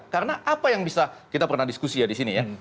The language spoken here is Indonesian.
karena apa yang bisa kita pernah diskusi ya di sini ya